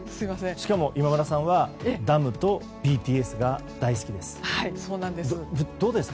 しかも今村さんはダムとＢＴＳが大好きです。